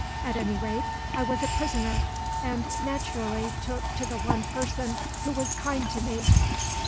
At any rate I was a prisoner, and naturally took to the one person who was kind to me.